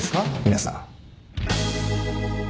皆さん。